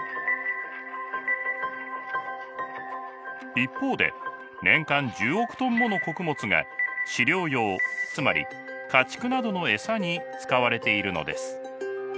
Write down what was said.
一方で年間１０億トンもの穀物が飼料用つまり家畜などの餌に使われているのです。